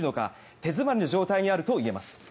手詰まりの状態にあるといえます。